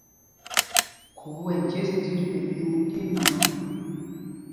Khubú ɛ njes tit mɛɗyuu ɗí tí nan ɔ.